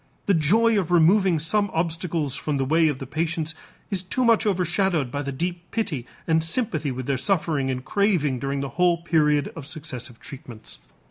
The joy of removing some obstacles from the way of the patients is too much overshadowed by the deep pity and sympathy with their suffering and craving during the whole period of successive treatments.